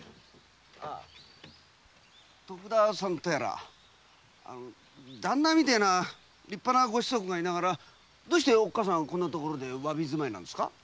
徳田さんとやら旦那みたいな立派なご子息がいながらどうしておっかさんはこんな所で侘び住まいなんです？